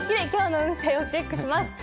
今日の運勢をチェックします。